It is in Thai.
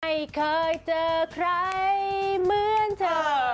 ไม่เคยเจอใครเหมือนเธอ